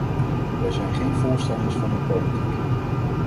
Wij zijn geen voorstanders van hun politiek.